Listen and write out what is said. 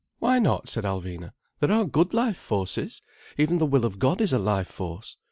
"Why not?" said Alvina. "There are good life forces. Even the will of God is a life force."